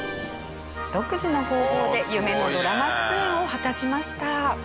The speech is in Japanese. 独自の方法で夢のドラマ出演を果たしました。